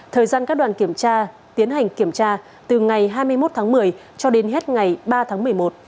thời gian các đoàn kiểm tra tiến hành kiểm tra từ ngày hai mươi một tháng một mươi cho đến hết ngày ba tháng một mươi một